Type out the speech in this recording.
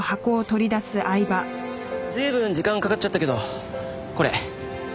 随分時間かかっちゃったけどこれ。